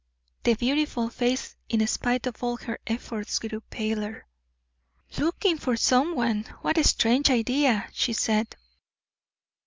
The beautiful face, in spite of all her efforts, grew paler. "Looking for some one! What a strange idea!" she said.